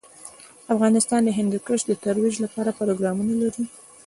افغانستان د هندوکش د ترویج لپاره پروګرامونه لري.